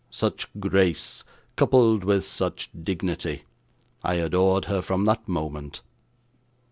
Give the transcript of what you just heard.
'Such grace, coupled with such dignity! I adored her from that moment!